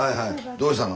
どうしたの？